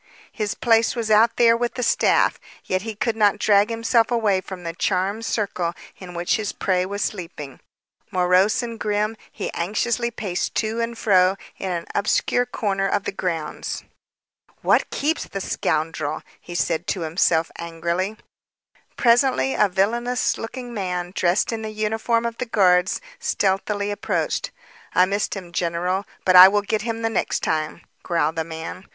His place was out there with the staff. Yet he could not drag himself away from the charmed circle in which his prey was sleeping. Morose and grim, he anxiously paced to and fro in an obscure corner of the grounds. "What keeps the scoundrel?" he said to himself angrily. Presently, a villainous looking man dressed in the uniform of the guards, stealthily approached. "I missed him, general, but I will get him the next time." growled the man.